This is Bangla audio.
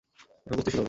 কখন কুস্তি শুরু হবে।